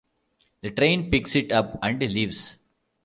The train picks it up and leaves.